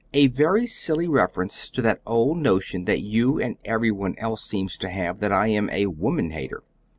"A very silly reference to that old notion that you and every one else seem to have that I am a 'woman hater.'"